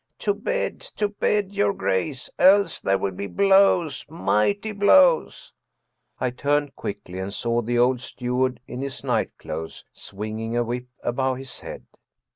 To bed, to bed, your grace. Else there will be blows, mighty blows!" I turned quickly and saw the old steward in his night clothes, swinging a whip above his head.